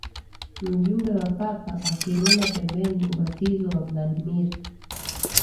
mjumbe wa Papa akinuna pembeni Ubatizo wa Vladimir